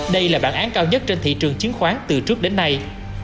đây là bản án cao nhất trên thị trường chứng khoán từ trước đến nay